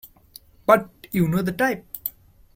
But you know the type.